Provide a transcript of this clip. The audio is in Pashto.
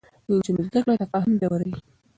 د نجونو زده کړه تفاهم ژوروي.